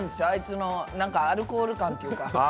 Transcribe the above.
あいつの何かアルコール感というか。